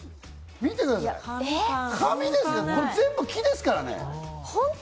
見てください、紙じゃなくて、これ全部、木ですからね。